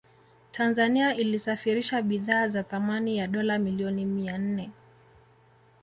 Tanzania ilisafirisha bidhaa za thamani ya dola milioni mia nne